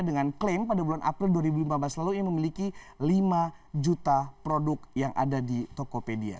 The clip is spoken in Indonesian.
dengan klaim pada bulan april dua ribu lima belas lalu ini memiliki lima juta produk yang ada di tokopedia